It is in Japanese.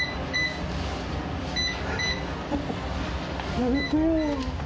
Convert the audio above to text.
やめてよ。